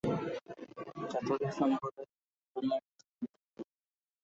Catholic সম্প্রদায় বৌদ্ধধর্ম হইতেই উদ্ভূত।